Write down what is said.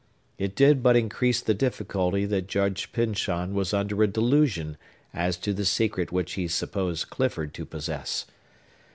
It did but increase the difficulty that Judge Pyncheon was under a delusion as to the secret which he supposed Clifford to possess.